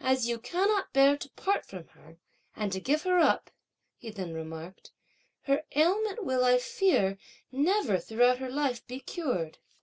'As you cannot bear to part from her and to give her up,' he then remarked, 'her ailment will, I fear, never, throughout her life, be cured.